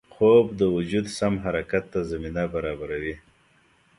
خوب د وجود سم حرکت ته زمینه برابروي